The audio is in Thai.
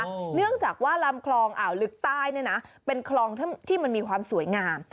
เนื่องจากว่าลำคลองอ่าวลึกใต้เนี่ยนะเป็นคลองที่มันมีความสวยงาม